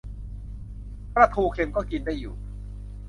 ปลาทูเค็มก็กินได้อยู่